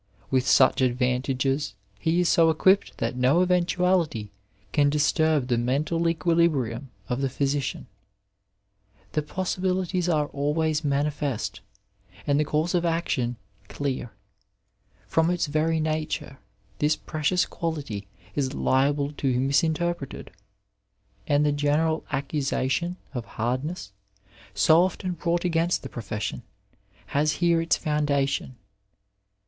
With such advantages he is so equipped that no eventuality can disturb the mental equilibrium of the physician ; the possibilities are always manifest, and the course of action clear. From its very nature this precious quality is liable to be misinterpreted, and the general accusation of hardness, so often brought against the profession, has here its founda tion.